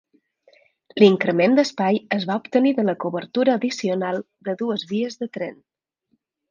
L'increment d'espai es va obtenir de la cobertura addicional de dues vies de tren.